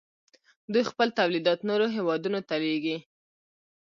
دوی خپل تولیدات نورو هیوادونو ته لیږي.